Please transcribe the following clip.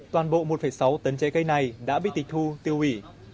toàn bộ một sáu tấn trái cây này đã bị tịch thu tiêu hủy